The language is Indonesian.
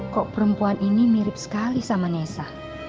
kok perempuan ini mirip sekali sama nesa